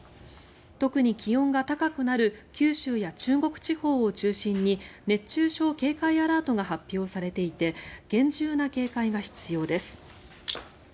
特に気温が高くなる九州や中国地方を中心に熱中症警戒アラートが発表されていて厳重な警戒が必要です。